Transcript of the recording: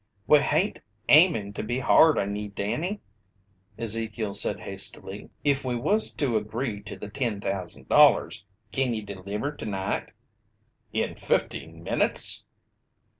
"We hain't aimin' to be hard on ye, Danny," Ezekiel said hastily. "If we was to agree to the $10,000, kin ye deliver tonight?" "In fifteen minutes!"